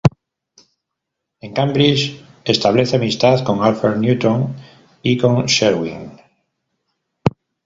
En Cambridge establece amistad con Alfred Newton y con Salvin.